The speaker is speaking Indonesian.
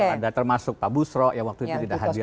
ada termasuk pak busro yang waktu itu tidak hadir